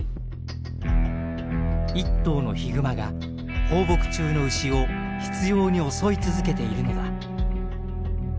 一頭のヒグマが放牧中の牛を執ように襲い続けているのだ。